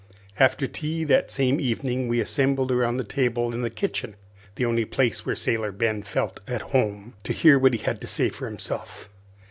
After tea, that same evening, we assembled around the table in the kitchen the only place where Sailor Ben felt at home to hear what he had to say for himself.